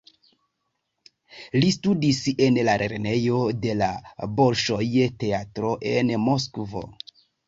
Li studis en la lernejo de la Bolŝoj-Teatro en Moskvo.